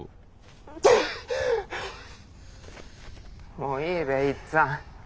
もういいべイっつぁん。